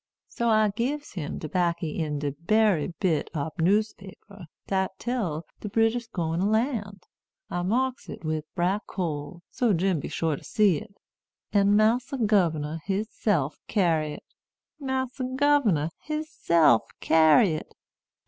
So I gibs him de backy in de bery bit ob newspaper dat tell de British gwine to lan'. I marks it wid brack coal, so Jim be sure to see it. An' Massa Gubernor hisself carry it! Massa Gubernor hisself carry it!